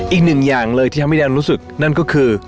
อีกหนึ่งอย่างเลยที่ทำให้แดนรู้สึกนั่นก็คือ